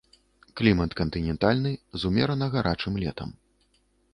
Клімат кантынентальны з умерана гарачым летам.